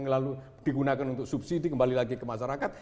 lalu digunakan untuk subsidi kembali lagi ke masyarakat